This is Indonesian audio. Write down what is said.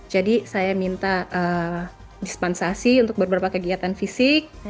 jadi saya minta dispensasi untuk beberapa kegiatan fisik